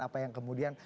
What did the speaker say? apa yang kemudian